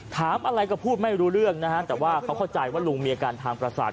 ถามอะไรก็พูดไม่รู้เรื่องนะฮะแต่ว่าเขาเข้าใจว่าลุงมีอาการทางประสาท